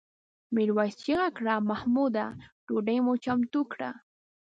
میرويس چیغه کړه محموده ډوډۍ مو چمتو کړه؟